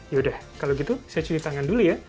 yaudah kalau gitu saya cuci tangan dulu ya